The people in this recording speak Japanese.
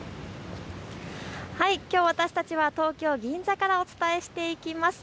きょう、私たちは東京銀座からお伝えしていきます。